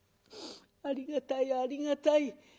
「ありがたいありがたい。